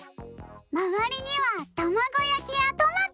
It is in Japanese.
まわりにはたまごやきやトマト！